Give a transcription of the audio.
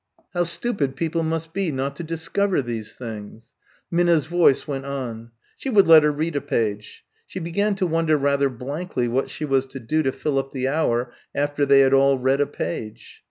How stupid people must be not to discover these things. Minna's voice went on. She would let her read a page. She began to wonder rather blankly what she was to do to fill up the hour after they had all read a page.